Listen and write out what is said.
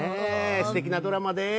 すてきなドラマです。